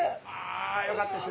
あよかったです。